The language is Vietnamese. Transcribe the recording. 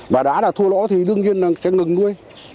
và đã là thua lỗ thì đương nhiên là sẽ ngừng nuôi